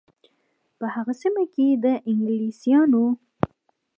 په هغه سیمه کې د انګلیسیانو اندېښنې لیرې شوې.